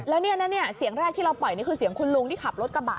แล้วเนี่ยเสียงแรกที่เราปล่อยนี่คือเสียงคุณลุงที่ขับรถกระบะ